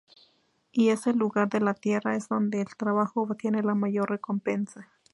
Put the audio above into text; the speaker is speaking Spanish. Y ese lugar de la tierra es donde el trabajo obtiene la mayor recompensa.